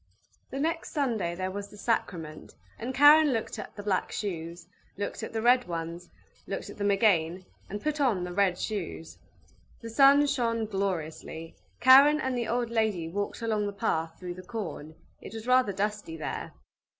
The next Sunday there was the sacrament, and Karen looked at the black shoes, looked at the red ones looked at them again, and put on the red shoes. The sun shone gloriously; Karen and the old lady walked along the path through the corn; it was rather dusty there.